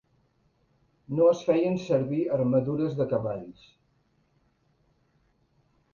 No es feien servir armadures de cavalls.